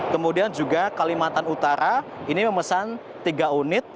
kemudian juga kalimantan utara ini memesan tiga unit